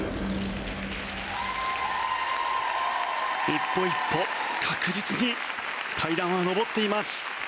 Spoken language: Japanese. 一歩一歩確実に階段は上っています。